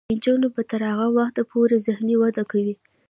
نجونې به تر هغه وخته پورې ذهني وده کوي.